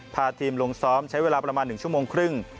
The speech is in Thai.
พาทีมลงซ้อมใช้เวลาประมาณ๑ชั่วโมงครึ่ง